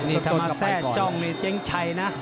นี่ถ้ามาแทร่จ้องนี่เจ๊งชัยนะ